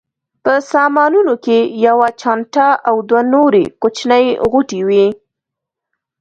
په سامانونو کې یوه چانټه او دوه نورې کوچنۍ غوټې وې.